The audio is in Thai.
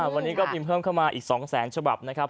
วันนี้ก็พิมพ์เพิ่มเข้ามาอีก๒แสนฉบับนะครับ